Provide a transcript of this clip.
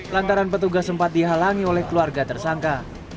lantaran petugas sempat dihalangi oleh keluarga tersangka